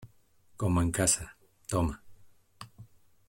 como en casa. toma .